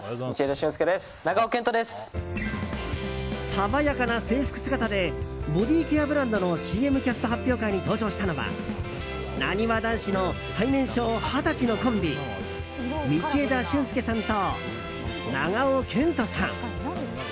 爽やかな制服姿でボディーケアブランドのＣＭキャスト発表会に登場したのはなにわ男子の最年少二十歳のコンビ道枝駿佑さんと長尾謙杜さん。